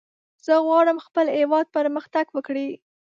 زه غواړم خپل هېواد پرمختګ وکړي.